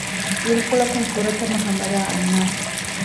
އިރުކޮޅަކުން ފުރަތަމަަ ހަމަލާ އަންނާނެ